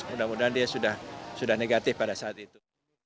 mudah mudahan dia sudah negatif pada saat itu